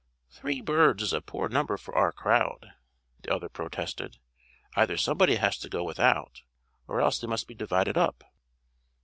"Three birds is a poor number for our crowd," the other protested. "Either somebody has to go without, or else they must be divided up."